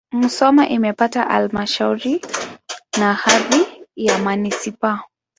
Musoma imepata halmashauri na hadhi ya manisipaa.